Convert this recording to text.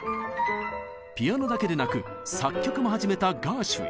ピアノだけでなく作曲も始めたガーシュウィン。